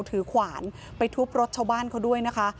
ขวานไปทุบรถชาวบ้านเขาด้วยนะคะ